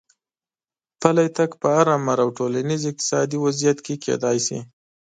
پلی تګ په هر عمر او ټولنیز اقتصادي وضعیت کې کېدای شي.